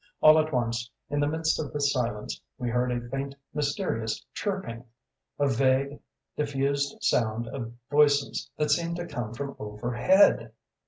All at once, in the midst of this silence, we heard a faint mysterious chirping; a vague, diffused sound of voices, that seemed to come from overhead.